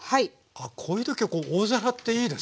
こういう時大皿っていいですね。